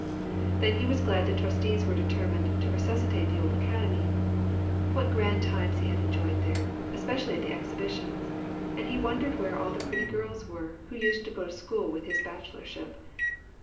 Then he was glad the trustees were determined to resuscitate the old academy. What grand times he had enjoyed there, especially at the exhibitions! and he wondered where all the pretty girls were who used to go to school with his bachelorship.